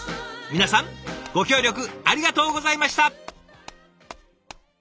皆さんご協力ありがとうございました！